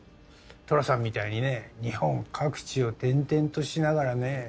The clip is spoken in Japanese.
寅さんみたいにね日本各地を転々としながらね